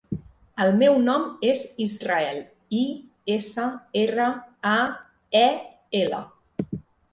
El meu nom és Israel: i, essa, erra, a, e, ela.